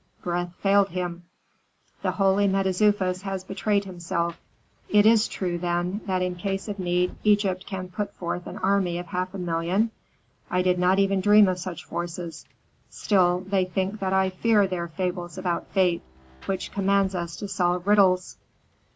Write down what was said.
Breath failed him. "The holy Mentezufis has betrayed himself. It is true, then, that in case of need Egypt can put forth an army of half a million? I did not even dream of such forces. Still they think that I fear their fables about fate, which commands us to solve riddles.